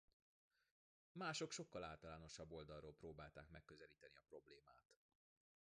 Mások sokkal általánosabb oldalról próbálták megközelíteni a problémát.